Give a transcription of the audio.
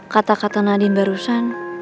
kata kata nadine barusan